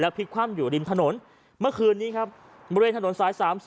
พลิกคว่ำอยู่ริมถนนเมื่อคืนนี้ครับบริเวณถนนสาย๓๐